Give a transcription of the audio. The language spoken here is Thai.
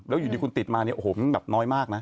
แล้วอยู่ดีคุณติดมาเนี่ยโอ้โหมันแบบน้อยมากนะ